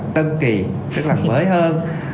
tân kỳ tức là mới hơn